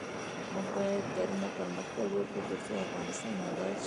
موږ باید کرنه پرمختګ ورکړو ، ترڅو افغانستان اباد شي.